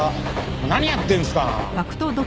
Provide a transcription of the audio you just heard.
何やってるんすか！